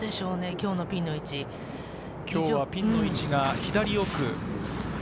今日のピンピンの位置が左奥。